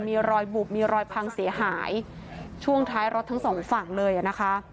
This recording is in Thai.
มีรอยบุบมีรอยพังเสียหายช่วงท้ายรถทั้งสองฝั่งเลยอ่ะนะคะ